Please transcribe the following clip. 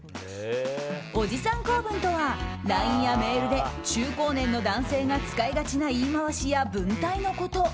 おじさん構文とはＬＩＮＥやメールで中高年の男性が使いがちな言い回しや文体のこと。